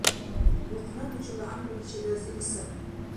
Бухънаби чула гӀямруличи разили саби.